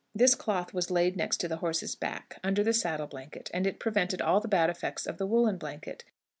This cloth was laid next to the horse's back, under the saddle blanket, and it prevented all the bad effects of the woolen blanket.